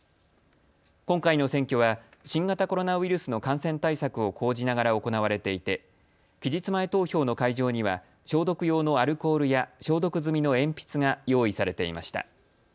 今回の選挙は新型コロナウイルスの感染対策を講じながら行われていて期日前投票の会場には消毒用のアルコールや消毒済みの鉛筆が用意されていました。